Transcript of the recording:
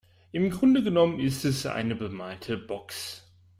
Im Grunde genommen ist es eine bemalte Box.